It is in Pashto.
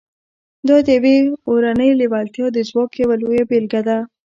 دا د يوې اورنۍ لېوالتیا د ځواک يوه لويه بېلګه ده.